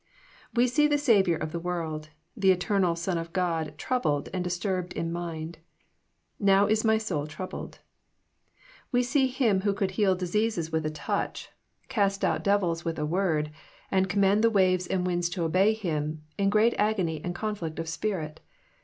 We see the Saviour of the world, the eternal Son of God troubled and disturbed in mind: ''Now is my soul troubled." We see Him who could heal diseases with a 342 EXPOsrroBr thoughts. touch, cast out devils with a word, and command the waves and winds to obey Him, in great agony and conflict of spirit.